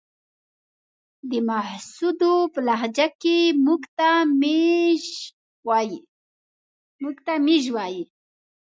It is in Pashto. د محسودو په لهجه کې موږ ته ميژ وايې.